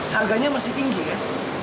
harganya masih tinggi kan